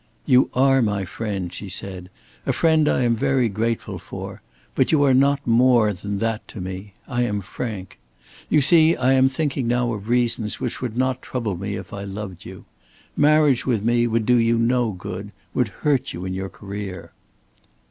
"You are my friend," she said, "a friend I am very grateful for, but you are not more than that to me. I am frank. You see, I am thinking now of reasons which would not trouble me if I loved you. Marriage with me would do you no good, would hurt you in your career."